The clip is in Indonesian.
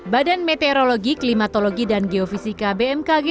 badan meteorologi klimatologi dan geofisika bmkg